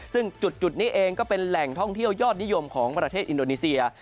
ซึ่งจุดนี้เองก็เป็นแหล่งท่องเที่ยวยอดนิยมของประเทศอินโดนีเซีย